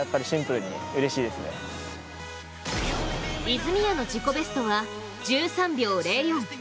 泉谷の自己ベストは１３秒０４。